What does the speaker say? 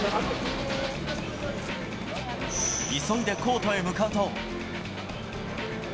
急いでコートへ向かうと。